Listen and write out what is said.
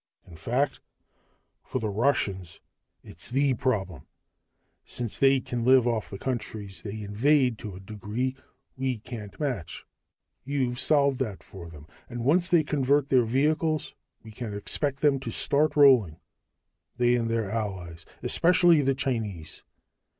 In fact, for the Russians it's the problem, since they can live off the countries they invade to a degree we can't match. You've solved that for them, and once they convert their vehicles we can expect them to start rolling. They and their allies especially the Chinese.